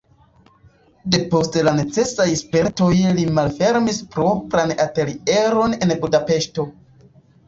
Depost la necesaj spertoj li malfermis propran atelieron en Budapeŝto.